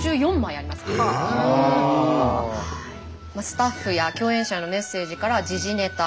スタッフや共演者へのメッセージから時事ネタ